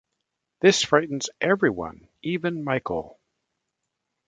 This frightens everyone, even Michael.